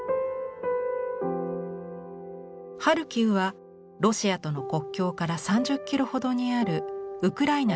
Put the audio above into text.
ハルキウはロシアとの国境から３０キロほどにあるウクライナ